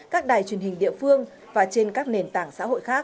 các đài truyền hình địa phương và trên các nền tảng xã hội khác